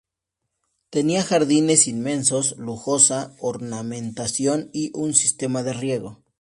Tenía jardines inmensos, lujosa ornamentación y un sistema de riego.